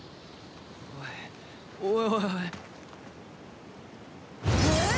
おいおいおいおい。